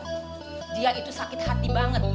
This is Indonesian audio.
kamu masih inget gak dia itu sakit hati banget